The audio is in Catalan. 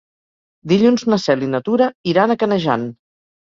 Dilluns na Cel i na Tura iran a Canejan.